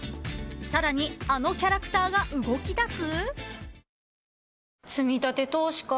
［さらにあのキャラクターが動きだす？］